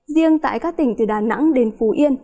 riêng tại các tỉnh từ đà nẵng đến phú yên